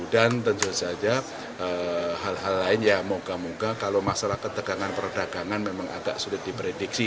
dan tentu saja hal hal lain ya moga moga kalau masalah ketekanan perdagangan memang agak sudah diprediksi